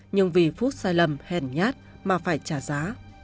nhưng vì phút sai lầm hèn nhát mà phải trả giá